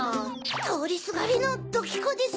とおりすがりのドキコです。